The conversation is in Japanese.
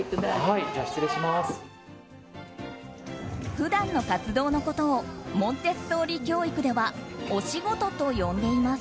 普段の活動のことをモンテッソーリ教育ではおしごとと呼んでいます。